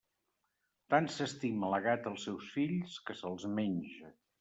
Tant s'estima la gata els seus fills, que se'ls menja.